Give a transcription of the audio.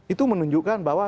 itu menunjukkan bahwa